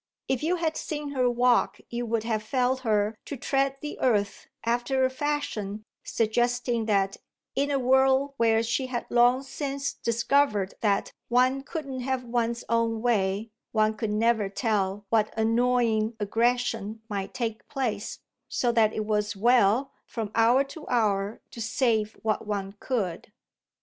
If you had seen her walk you would have felt her to tread the earth after a fashion suggesting that in a world where she had long since discovered that one couldn't have one's own way one could never tell what annoying aggression might take place, so that it was well, from hour to hour, to save what one could.